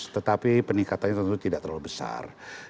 tetapi peningkatannya tentu tidak terlalu besar